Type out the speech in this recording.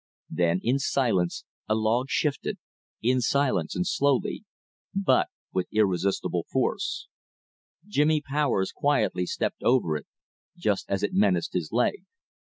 Then in silence a log shifted in silence and slowly but with irresistible force. Jimmy Powers quietly stepped over it, just as it menaced his leg.